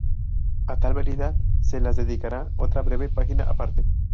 A tal variedad se las dedicará otra breve página aparte.